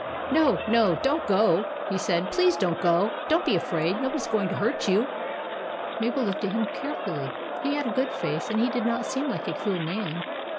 " No, no, don't go," he said, " please don't go ! Don't be afraid ; nobody 's going to hurt you." Mabel looked at him carefully. He had a good face, and did not seem like a cruel man.